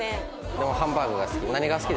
でもハンバーグが好き